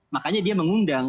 makanya dia mengundang